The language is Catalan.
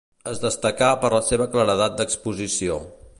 Es destacà per la seva claredat d'exposició.